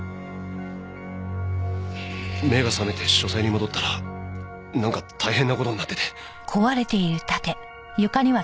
目が覚めて書斎に戻ったらなんか大変な事になってて。